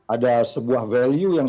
ada sebuah value yang